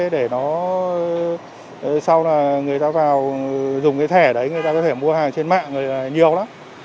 để nó sau là người ta vào dùng cái thẻ đấy người ta có thể mua hàng trên mạng rồi là nhiều lắm